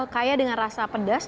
kaya dengan rasa pedas